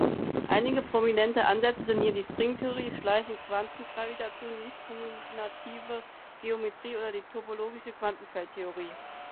Einige prominente Ansätze sind hier die Stringtheorie, Schleifenquantengravitation, Nichtkommutative Geometrie oder die topologische Quantenfeldtheorie.